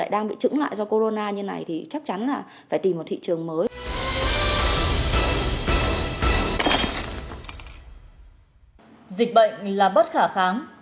dịch bệnh là bất khả kháng